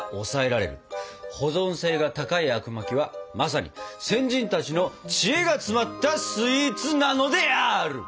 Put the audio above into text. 保存性が高いあくまきはまさに先人たちの知恵が詰まったスイーツなのである！